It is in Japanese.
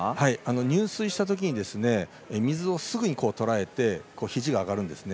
入水したときに水をすぐにとらえてひじが上がるんですね。